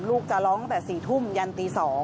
ลูกจะร้องตั้งแต่๔ทุ่มยันตี๒